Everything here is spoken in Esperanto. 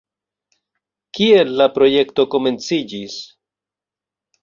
Kiel la projekto komenciĝis?